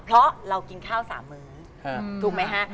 เพราะเรากินข้าว๓มื้อถูกไหมฮะ